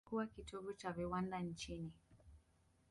Imekuwa kitovu cha viwanda nchini.